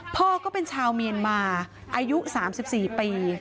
พ่อก็เป็นชาวเมียนมาอายุ๓๔ปี